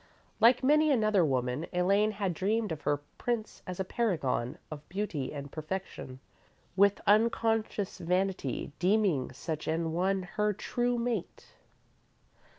Like many another woman, Elaine had dreamed of her Prince as a paragon of beauty and perfection, with unconscious vanity deeming such an one her true mate.